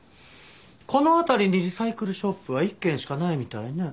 この辺りにリサイクルショップは１軒しかないみたいね。